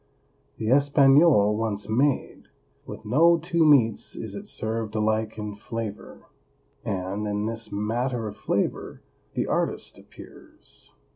The espagnole once made, with no two meats is it served alike in flavor, and in this matter of flavor the artist appears.